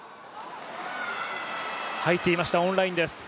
入っていました、オンラインです。